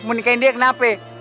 mau nikahin dia kenapa